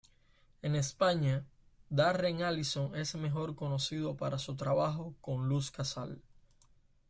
En España, Darren Allison es mejor conocido para su trabajo con Luz Casal.